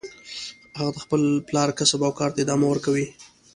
هغه د خپل پلار کسب او کار ته ادامه ورکوي